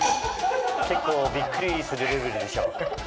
結構びっくりするレベルでしょ。